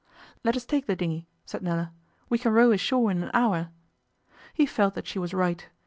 'Let us take the dinghy,' said Nella; 'we can row ashore in an hour.' He felt that she was right.